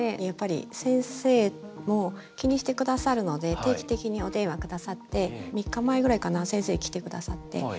やっぱり先生も気にして下さるので定期的にお電話下さって３日前ぐらいかな先生来て下さって。